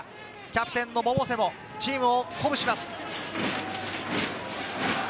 キャプテンの百瀬も、チームを鼓舞します。